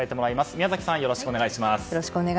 宮崎さん、よろしくお願いします。